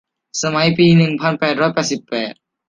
สมัยปีหนึ่งพันแปดร้อยแปดสิบ